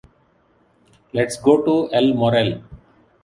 Let's go to El Morell.